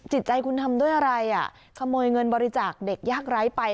จิตใจคุณทำด้วยอะไรอ่ะขโมยเงินบริจาคเด็กยากไร้ไป